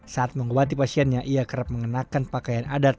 saat mengobati pasiennya ia kerap mengenakan pakaian adat